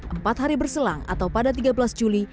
empat hari berselang atau pada tiga belas juli